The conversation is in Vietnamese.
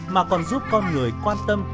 mà còn giúp con người quan tâm